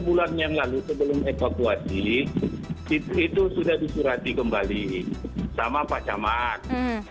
enam bulan yang lalu sebelum evakuasi itu sudah disurati kembali sama pak camat